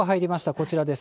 こちらです。